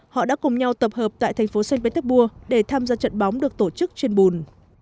họ đã cùng nhau tập hợp tại thành phố saint petersburg để tham gia trận bóng được tổ chức trên bùn